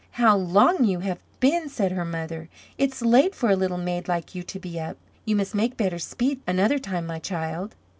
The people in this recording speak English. "How long you have been," said her mother. "It's late for a little maid like you to be up. You must make better speed another time, my child."